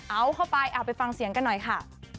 เอาเข้าไปเอาไปฟังเสียงกันหน่อยค่ะ